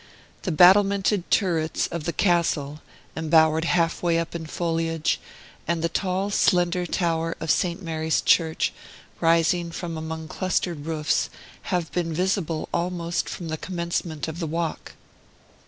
The battlemented turrets of the castle, embowered half way up in foliage, and the tall, slender tower of St. Mary's Church, rising from among clustered roofs, have been visible almost from the commencement of the walk.